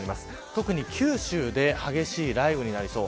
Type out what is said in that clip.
特に九州で激しい雷雨になりそう。